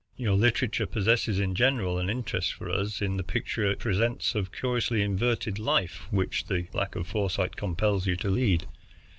Your literature possesses in general an interest for us in the picture it presents of the curiously inverted life which the lack of foresight compels you to lead.